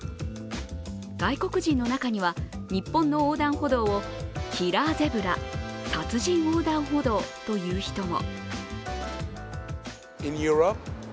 外国人の中には日本の横断歩道をキラーゼブラ＝殺人横断歩道と言う人も。